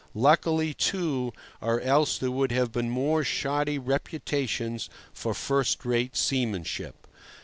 Luckily, too, or else there would have been more shoddy reputations for first rate seamanship.